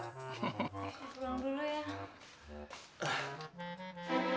saya pulang dulu ya